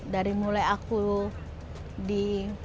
dari mulai aku di